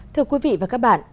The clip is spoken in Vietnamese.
thưa quý vị và các bạn